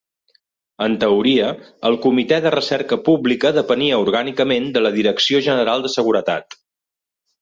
En teoria el Comitè de Recerca Pública depenia orgànicament de la Direcció General de Seguretat.